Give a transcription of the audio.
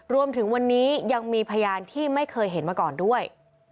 รวมถึงวันนี้ยังมีพยานที่ไม่เคยเห็นมาก่อนด้วย